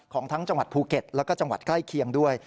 ของทั้งจังหวัดภูเก็ตแล้วก็จังหวัดใกล้เคียงด้วย